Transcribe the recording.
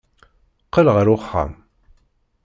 Qqel ɣer uxxam.